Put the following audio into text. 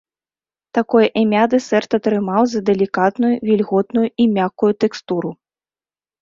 Такое імя дэсерт атрымаў за далікатную, вільготную і мяккую тэкстуру.